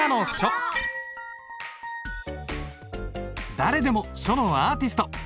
誰でも書のアーティスト！